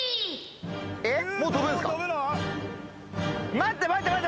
待って待って待って。